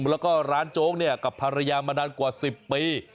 แล้วก็ร้านโจ๊กเนี่ยกับภรรยามานานกว่า๑๐ปี